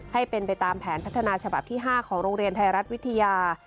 ให้เป็นไปตามแผนพัฒนาฉบับที่๕ของโรงเรียนไทยรัฐวิทยา